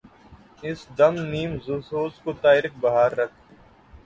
اس دم نیم سوز کو طائرک بہار کر